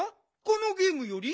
このゲームより？